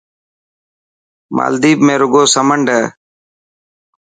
مالديپ ۾ رگو سمنڊ هي.